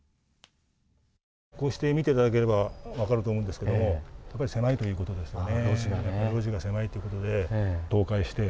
こうして見ていただければ分かると思うんですが、狭いということですよね。